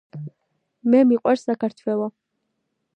მე მიყვარს საქართვეიო